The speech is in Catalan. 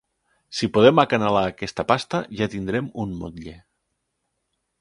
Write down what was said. Si podem acanalar aquesta pasta, ja tindrem un motlle.